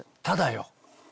ただよ